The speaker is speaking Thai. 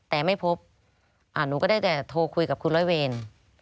แต่ไม่พบหนูก็ได้แต่โทรคุยกับคุณร้อยเวร